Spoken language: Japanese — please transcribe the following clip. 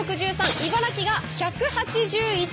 茨城が１８１。